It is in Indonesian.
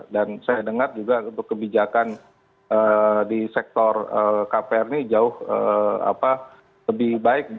dan saya dengar juga untuk kebijakan di sektor kpr ini jauh lebih baik